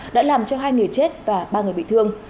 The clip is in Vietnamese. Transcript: đã làm cho hai người chết và ba người bị thương